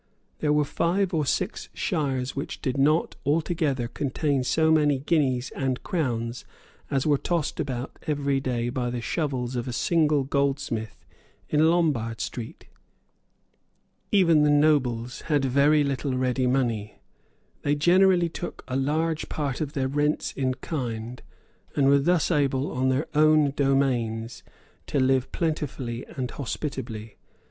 There were five or six shires which did not altogether contain so many guineas and crowns as were tossed about every day by the shovels of a single goldsmith in Lombard Street. Even the nobles had very little ready money. They generally took a large part of their rents in kind, and were thus able, on their own domains, to live plentifully and hospitably.